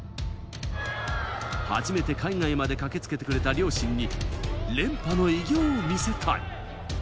初めて海外まで駆けつけてくれた両親に連覇の偉業を見せたい。